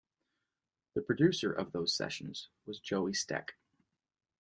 The producer of those sessions was Joey Stec.